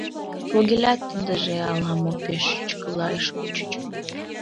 Фогелят ындыже ала-мо пеш шучкыла ыш чуч.